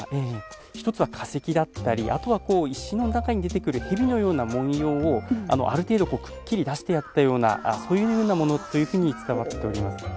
１つは化石だったりあとは石の中に出てくる蛇のような紋様をある程度くっきり出してやったようなそういうような物というふうに伝わっております。